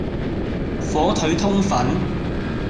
火腿通粉